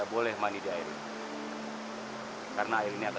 kita harus tidak mengecewakan